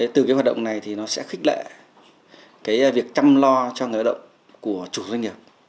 từ cái hoạt động này thì nó sẽ khích lệ việc chăm lo cho người lao động của chủ doanh nghiệp